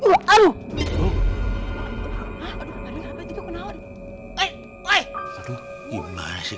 oh bubb dota sih